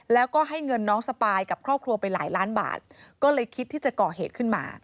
แล้วก็ให้เงินน้องสปายกับครอบครัวไปหลายล้านบาทก็เลยคิดที่จะก่อเหตุขึ้นมา